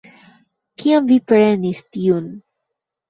Kiam vi prenis tiun?